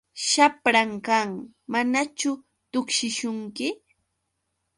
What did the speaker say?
Shapran kan. ¿Manachu tuksishunki?